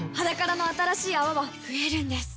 「ｈａｄａｋａｒａ」の新しい泡は増えるんです